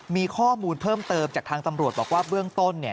มีข้อมูลเพิ่มเติมจากทางตำรวจบอกว่าเบื้องต้นเนี่ย